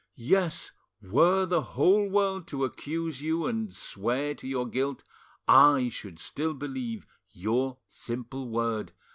Yes, were the whole world to accuse you and swear to your guilt, I should still believe your simple word.